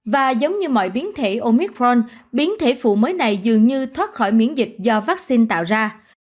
và giống như mọi biến thể omitforn biến thể phụ mới này dường như thoát khỏi miễn dịch do vaccine tạo ra